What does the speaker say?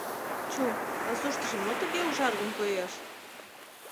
Чу, пасуштыжо мо тыге ужаргын коеш?